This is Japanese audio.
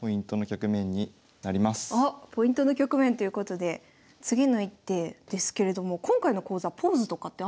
ここがあっポイントの局面ということで次の一手ですけれども今回の講座ポーズとかってあるんですか？